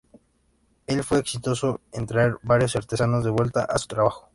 Él fue exitoso en traer varios artesanos de vuelta a su trabajo.